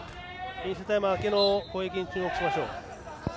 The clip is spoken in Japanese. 飲水タイム明けの攻撃に注目しましょう。